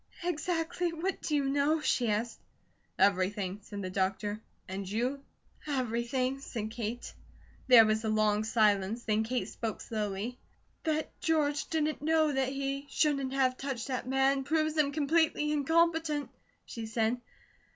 "Exactly what do you know?" she asked. "Everything," said the doctor. "And you?" "Everything," said Kate. There was a long silence. Then Kate spoke slowly: "That George didn't know that he shouldn't have touched that man, proves him completely incompetent," she said.